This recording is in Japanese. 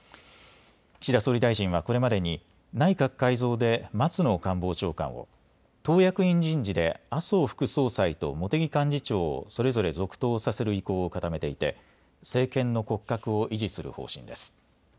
岸田総理大臣はこれまでに内閣改造で松野官房長官を、党役員人事で麻生副総裁と茂木幹事長をそれぞれ続投させる意向を固めていて政権の骨格を維持する方針です。